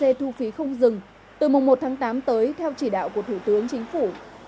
xe thu phí không dừng từ mùng một tháng tám tới theo chỉ đạo của thủ tướng chính phủ